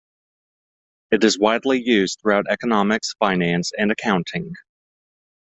It is widely used throughout economics, finance, and accounting.